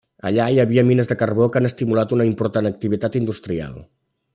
Allà hi havia mines de carbó que han estimulat una important activitat industrial.